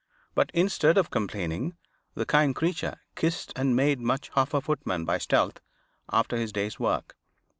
But instead of complaining, the kind creature kissed and made much of her footman by stealth, after his day's work.